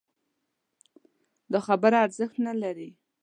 دا خبره ارزښت نه لري